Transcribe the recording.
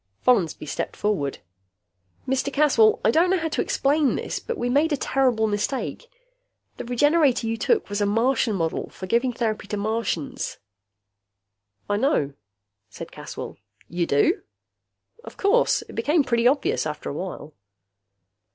Follansby stepped forward. "Mr. Caswell, I don't know how to explain this, but we made a terrible mistake. The Regenerator you took was a Martian model for giving therapy to Martians." "I know," said Caswell. "You do?" "Of course. It became pretty obvious after a while."